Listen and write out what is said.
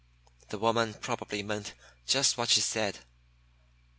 The woman probably meant just what she said.